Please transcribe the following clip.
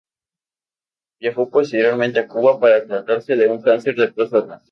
Viajó posteriormente a Cuba para tratarse de un cáncer de próstata.